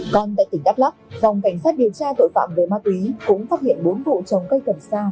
còn tại tỉnh đắp lắp dòng cảnh sát điều tra tội phạm về ma túy cũng phát hiện bốn bộ trồng cây cần xa